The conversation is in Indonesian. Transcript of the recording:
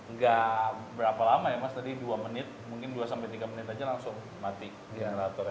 nggak berapa lama ya mas tadi dua menit mungkin dua sampai tiga menit aja langsung mati generator